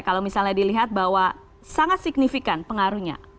kalau misalnya dilihat bahwa sangat signifikan pengaruhnya